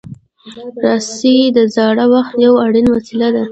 رسۍ د زاړه وخت یو اړین وسیله ده.